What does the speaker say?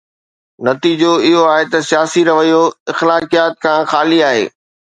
نتيجو اهو آهي ته سياسي رويو اخلاقيات کان خالي آهي.